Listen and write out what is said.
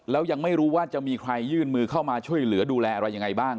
แล้วยังไม่รู้ว่าจะมีใครยื่นมือเข้ามาช่วยเหลือดูแลอะไรยังไงบ้าง